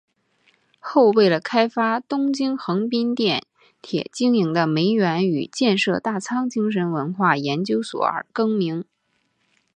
后为了开发东京横滨电铁经营的梅园与建设大仓精神文化研究所而更名。